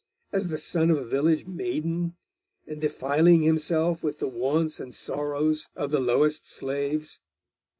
as the son of a village maiden, and defiling himself with the wants and sorrows of the lowest slaves!